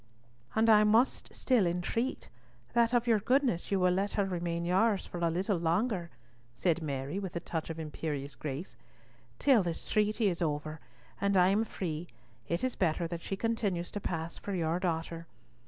"And I must still entreat, that of your goodness you will let her remain yours for a little longer," said Mary, with a touch of imperious grace, "until this treaty is over, and I am free, it is better that she continues to pass for your daughter.